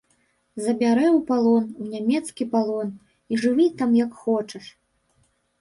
Забярэ ў палон, у нямецкі палон, і жыві там як хочаш.